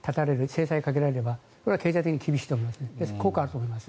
制裁をかけられれば経済的に厳しいと思うので効果はあると思います。